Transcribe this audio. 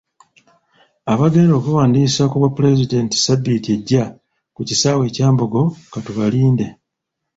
Abagenda okwewandiisa ku bwapulezidenti Ssabbiiti ejja ku kisaawe e Kyambogo katubalinde.